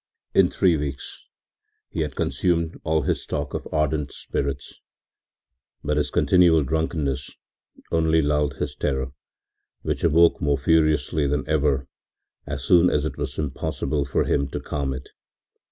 In three weeks he had consumed all his stock of ardent spirits. But his continual drunkenness only lulled his terror, which awoke more furiously than ever as soon as it was impossible for him to calm it.